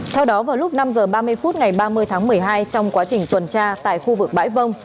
theo đó vào lúc năm h ba mươi phút ngày ba mươi tháng một mươi hai trong quá trình tuần tra tại khu vực bãi vông